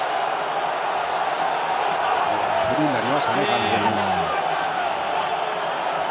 フリーになりましたね。